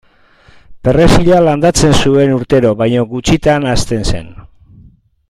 Perrexila landatzen zuen urtero baina gutxitan hazten zen.